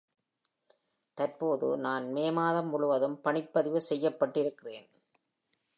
தற்போது நான் மே மாதம் முழுதும் பணிப்பதிவு செய்யப்பட்டு இருக்கிறேன்.